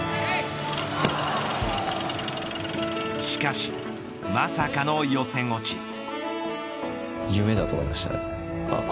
しかし、まさかの予選落ち。